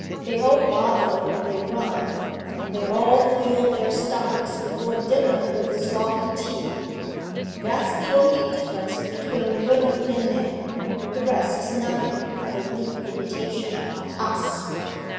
They all waddle when they run; and they all fill their stomachs before dinner with sloppy tea. That's the only difference between women and men the rest is nothing but a weak imitation of Us.